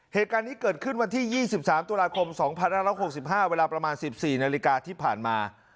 เหตุการณ์นี้เกิดขึ้นวันที่๒๓ตุลาคม๒๕๖๕เวลาประมาณ๑๔นาฬิกาที่ผ่านมา